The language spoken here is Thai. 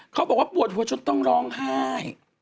เขาบอกว่าปวดหัวจนต้องร้องไห้